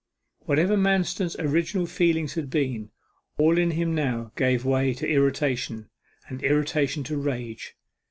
Whatever Manston's original feelings had been, all in him now gave way to irritation, and irritation to rage.